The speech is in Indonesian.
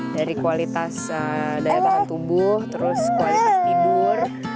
dari kualitas daya tahan tubuh terus kualitas tidur